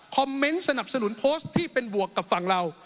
เมนต์สนับสนุนโพสต์ที่เป็นบวกกับฝั่งเรา